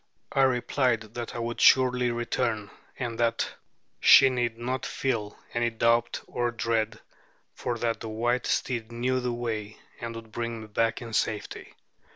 I replied that I would surely return, and that she need not feel any doubt or dread, for that the white steed knew the way, and would bring me back in safety.